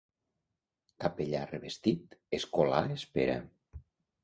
Capellà revestit, escolà espera.